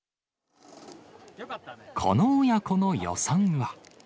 この親子の予算は。